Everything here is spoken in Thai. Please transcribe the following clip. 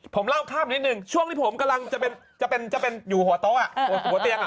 ผมเล่าข้ามนิดนึงช่วงที่ผมกำลังจะเป็นจะเป็นอยู่หัวโต๊ะหัวเตียง